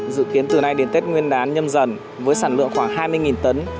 dự kiến từ nay đến tết nguyên đán nhâm dần với sản lượng khoảng hai mươi tấn